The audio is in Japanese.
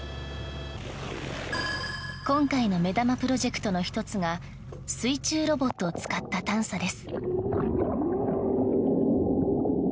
今回の目玉プロジェクトの１つが水中ロボットを使った探査です。